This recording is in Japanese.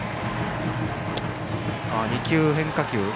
２球、変化球。